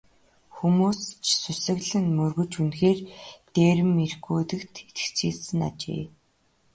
Хүмүүс ч сүсэглэн мөргөж үнэхээр дээрэм ирэхгүй гэдэгт итгэцгээсэн ажээ.